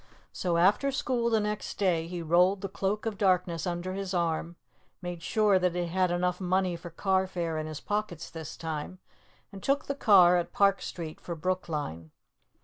So after school the next day, he rolled the Cloak of Darkness under his arm, made sure that he had enough money for carfare in his pockets this time, and took the car at Park Street for Brookline.